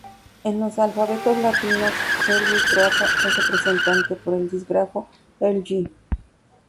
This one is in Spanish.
En los alfabetos latinos serbio y croata es representada por el dígrafo Lj.